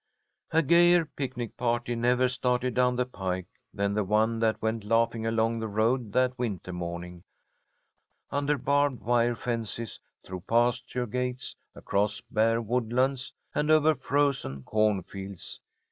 A gayer picnic party never started down the pike than the one that went laughing along the road that winter morning, under barbed wire fences, through pasture gates, across bare woodlands, and over frozen corn fields.